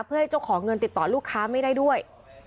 เพื่อให้เจ้าของเงินติดต่อลูกค้าไม่ได้ด้วย